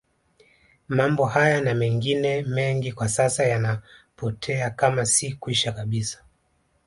Mambo haya na mengine mengi kwa sasa yanapotea kama si kwisha kabisa